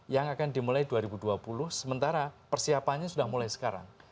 yang akan dimulai dua ribu dua puluh sementara persiapannya sudah mulai sekarang